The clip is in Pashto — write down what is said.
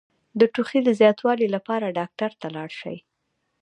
د ټوخي د زیاتوالي لپاره ډاکټر ته لاړ شئ